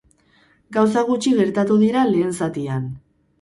Gauza gutxi gertatu dira lehen zatian.